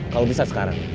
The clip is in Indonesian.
kalau bisa sekarang